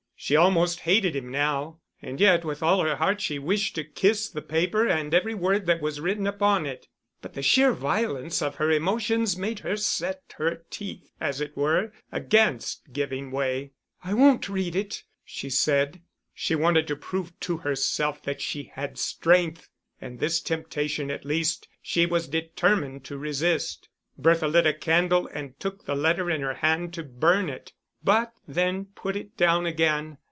She almost hated him now; and yet with all her heart she wished to kiss the paper and every word that was written upon it. But the sheer violence of her emotions made her set her teeth, as it were, against giving way. "I won't read it," she said. She wanted to prove to herself that she had strength; and this temptation at least she was determined to resist. Bertha lit a candle and took the letter in her hand to burn it, but then put it down again.